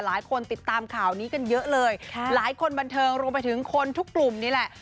ติดตามข่าวนี้กันเยอะเลยค่ะหลายคนบันเทิงรวมไปถึงคนทุกกลุ่มนี่แหละ